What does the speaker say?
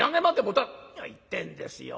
「何を言ってんですよ。